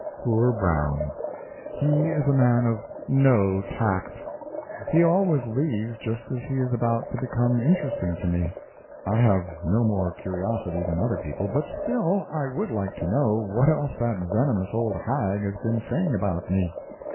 Poor Brown, he is a man of no tact—he always leaves just as he is about to become interesting to me. I have no more curiosity than other people, but still I would like to know what else that venomous old hag has been saying about me.